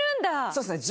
そうですね。